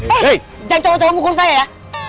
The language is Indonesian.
eh jangan cowok cowok mukul saya ya